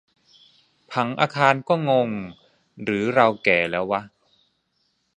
ผังอาคารก็งง หรือเราแก่แล้ววะ